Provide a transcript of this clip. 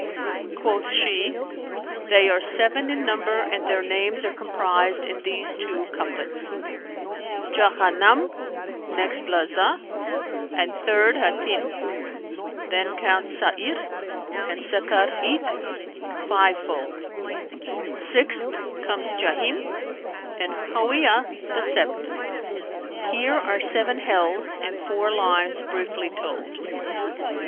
Quoth she, "They are seven in number and their names are comprised in these two couplets, 'Jahannam, next Lazα, and third Hatνm; * Then count Sa'νr and Sakar eke, five fold, Sixth comes Jahνm and Hαwiyah the seventh; * Here are seven Hells in four lines briefly told.'"